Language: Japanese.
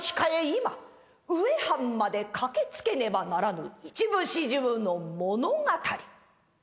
今うえはんまで駆けつけねばならぬ一部始終の物語。